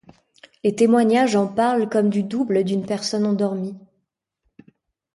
Les témoignages en parlent comme du double d'une personne endormie.